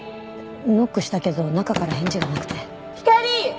ノックしたけど中から返事がなくて。